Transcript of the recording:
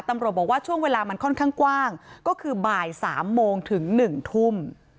ตำรวจบอกว่าช่วงเวลามันค่อนข้างกว้างก็คือบ่าย๓โมงถึง๑ทุ่ม